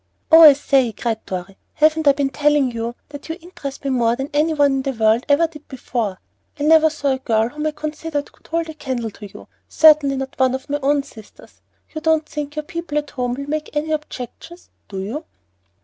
"Oh, I say!" cried Dorry, "haven't I been telling you that you interest me more than any one in the world ever did before? I never saw a girl whom I considered could hold a candle to you, certainly not one of my own sisters. You don't think your people at home will make any objections, do you?"